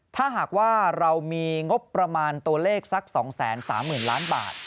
ถ้าหากว่าเรามีงบประมาณตัวเลขสัก๒๓๐๐๐ล้านบาท